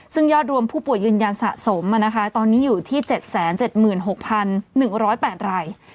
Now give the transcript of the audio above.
ซึ่งยอดรวมผู้ป่วยยืนยันสะสมตอนนี้อยู่ที่๗๗๖๑๐๘ราย